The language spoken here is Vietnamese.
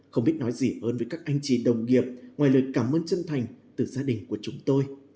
không biết nói gì hơn với các anh chị đồng nghiệp ngoài lời cảm ơn chân thành từ gia đình của chúng tôi